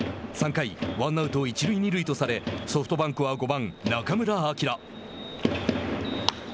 ３回、ワンアウト一塁二塁とされソフトバンクは５番、中村晃。